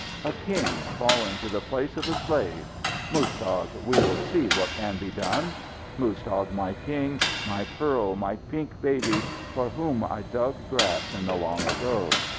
A king, falling to the place of a slave? Muztagh, we will see what can be done! Muztagh, my king, my pearl, my pink baby, for whom I dug grass in the long ago!